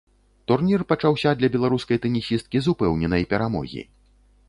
Турнір пачаўся для беларускай тэнісісткі з упэўненай перамогі.